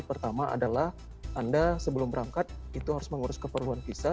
pertama adalah anda sebelum berangkat itu harus mengurus keperluan visa